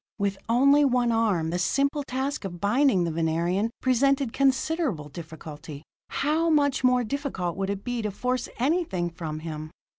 With only one arm, the simple task of binding the Venerian presented considerable difficulty. How much more difficult would it be to force anything from him?